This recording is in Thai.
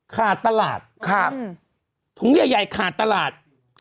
ขาดตลาด